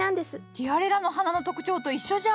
ティアレラの花の特徴と一緒じゃ。